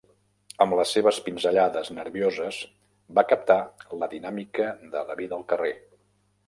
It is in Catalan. Amb les seves pinzellades nervioses va captar la dinàmica de la vida al carrer.